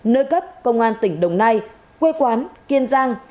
nơi cấp công an tỉnh đồng nai quê quán kiên giang